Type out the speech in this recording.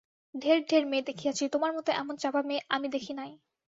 ঢের ঢের মেয়ে দেখিয়াছি, তোমার মতো এমন চাপা মেয়ে আমি দেখি নাই।